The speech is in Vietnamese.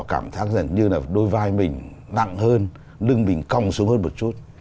cảm giác rằng như là đôi vai mình nặng hơn lưng mình cong xuống hơn một chút